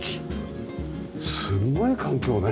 すごい環境ね。